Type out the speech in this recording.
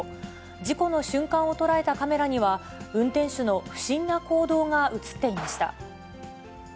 事故の瞬間を捉えたカメラには、運転手の不審な行動が写っていました。